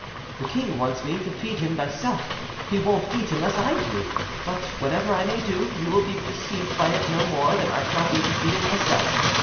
The king wants me to feed him myself; he won't eat unless I do. But, whatever I may do, you will be deceived by it no more than I shall be deceiving myself.